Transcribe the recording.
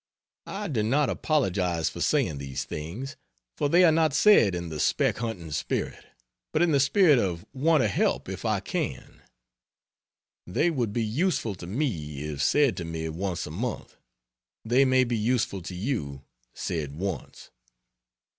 I do not apologize for saying these things, for they are not said in the speck hunting spirit, but in the spirit of want to help if I can. They would be useful to me if said to me once a month, they may be useful to you, said once.